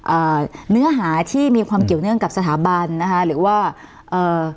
อ่าเนื้อหาที่มีความเกี่ยวเนื่องกับสถาบันนะคะหรือว่าเอ่อ